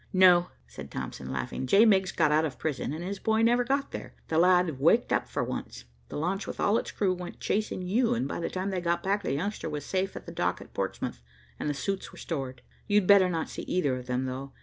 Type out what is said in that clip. "No," said Thompson laughing. "J. Miggs got out of prison, and his boy never got there. The lad waked up for once. The launch with all its crew went chasing you and, by the time they got back, the youngster was safe at the dock at Portsmouth, and the suits were stored. You'd better not see either of them though.